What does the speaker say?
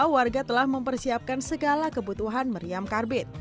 warga telah mempersiapkan segala kebutuhan meriam karbit